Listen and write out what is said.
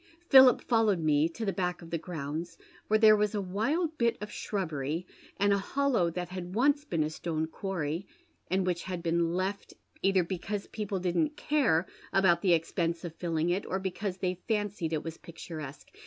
Philip followed me to the back of the grounds, where there was a wild bit of slirubbery and a hollow that had once been a stone quarry, and which had been left, either because people didn't care about the expense of filling it, or because they fancied it was picturesque.